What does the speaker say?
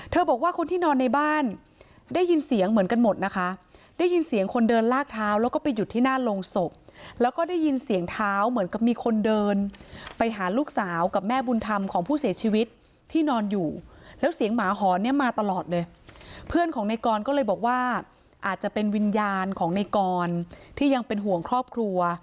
บอกว่าคนที่นอนในบ้านได้ยินเสียงเหมือนกันหมดนะคะได้ยินเสียงคนเดินลากเท้าแล้วก็ไปหยุดที่หน้าโรงศพแล้วก็ได้ยินเสียงเท้าเหมือนกับมีคนเดินไปหาลูกสาวกับแม่บุญธรรมของผู้เสียชีวิตที่นอนอยู่แล้วเสียงหมาหอนเนี่ยมาตลอดเลยเพื่อนของในกรก็เลยบอกว่าอาจจะเป็นวิญญาณของในกรที่ยังเป็นห่วงครอบครัว